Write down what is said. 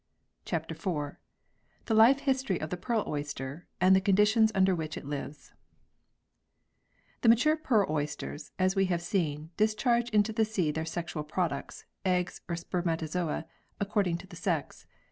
CHAPTER IV THE LIFE HISTORY OF THE PEARL OYSTER, AND THE CONDITIONS UNDER WHICH IT LIVES THE mature pearl oysters, as we have seen, dis charge into the sea their sexual products, eggs or spermatozoa, according to the sex.